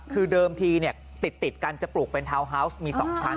คือเดิมทีติดกันจะปลูกเป็นทาวน์ฮาวส์มี๒ชั้น